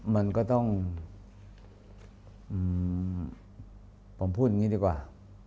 มันก็ต้องผมพูดอย่างนี้ดีกว่า